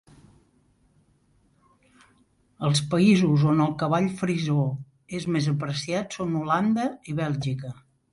Els països on el cavall frisó és més apreciat són Holanda i Bèlgica.